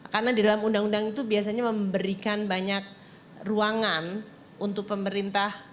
karena di dalam undang undang itu biasanya memberikan banyak ruangan untuk pemerintah